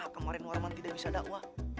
kemarin warman tidak bisa dakwah